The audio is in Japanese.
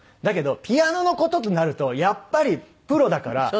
だけどピアノの事となるとやっぱりプロだから。